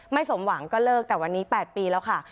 สมหวังก็เลิกแต่วันนี้๘ปีแล้วค่ะ